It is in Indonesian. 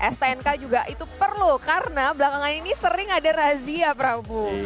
stnk juga itu perlu karena belakangan ini sering ada razia prabu